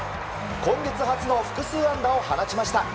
今月初の複数安打を放ちました。